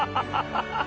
ハハハ